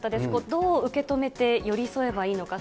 どう受け止めて寄り添えばいいのか。